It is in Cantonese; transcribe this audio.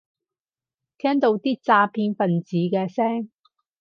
聽到啲詐騙份子嘅聲